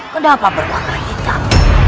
kenapa berwarna hitam